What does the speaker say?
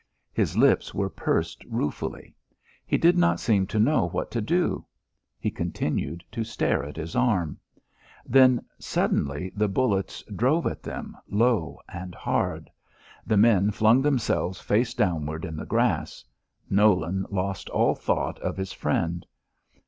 His lips were pursed ruefully. He did not seem to know what to do. He continued to stare at his arm. Then suddenly the bullets drove at them low and hard. The men flung themselves face downward in the grass. Nolan lost all thought of his friend.